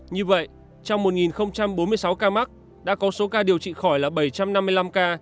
như vậy trong một bốn mươi sáu ca mắc đã có số ca điều trị khỏi là bảy trăm năm mươi năm ca